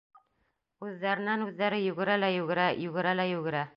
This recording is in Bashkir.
Үҙҙәренән-үҙҙәре йүгерә лә йүгерә, йүгерә лә йүгерә.